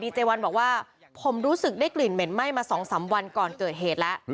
เจวันบอกว่าผมรู้สึกได้กลิ่นเหม็นไหม้มา๒๓วันก่อนเกิดเหตุแล้ว